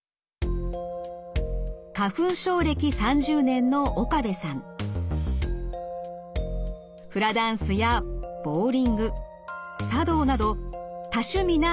花粉症歴３０年のフラダンスやボウリング茶道など多趣味な７５歳です。